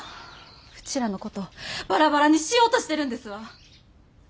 ウチらのことバラバラにしようとしてるんですわ！